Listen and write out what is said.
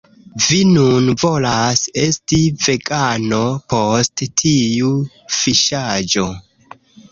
Vi nun volas esti vegano post tiu fiŝaĵo